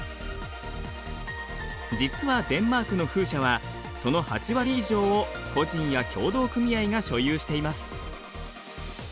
実はデンマークの風車はその８割以上を個人や協同組合が所有しています。